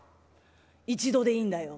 「一度でいいんだよ」。